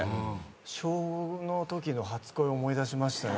小５のときの初恋を思い出しましたね。